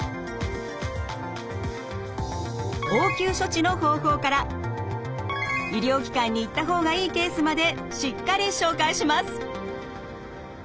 応急処置の方法から医療機関に行った方がいいケースまでしっかり紹介します！